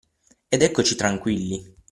Ed eccoci tranquilli.